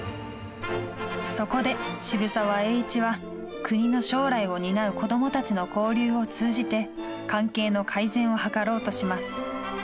そこで渋沢栄一は国の将来を担う子どもたちの交流を通じて関係の改善を図ろうとします。